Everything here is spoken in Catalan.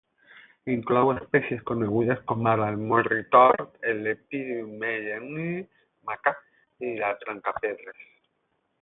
Inclou espècies conegudes com ara el morritort, el "Lepidium meyenii" (maca) i la trencapedres.